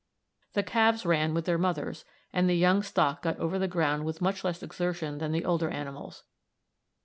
The calves ran with their mothers, and the young stock got over the ground with much less exertion than the older animals.